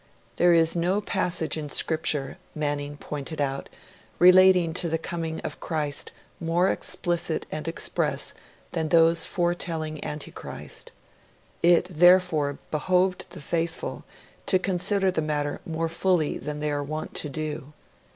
There is no passage in Scripture, Manning pointed out, relating to the coming of Christ more explicit and express than those foretelling Antichrist; it therefore behoved the faithful to consider the matter more fully than they are wont to do.